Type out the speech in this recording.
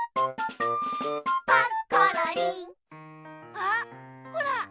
あっほら！